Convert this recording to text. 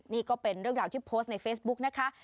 นี่ก็เป็นเรื่องราวที่โพสต์ในเฟซบุ๊กนะคะ